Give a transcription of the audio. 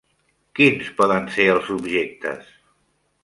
Quins poden ser els objectes?